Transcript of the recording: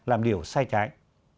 làm điều sai trái